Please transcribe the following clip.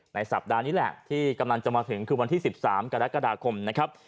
สัปดาห์นี้แหละที่กำลังจะมาถึงคือวันที่๑๓กรกฎาคมนะครับ